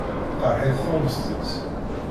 Tqeṛṛeḥ-it tuɣmest-is.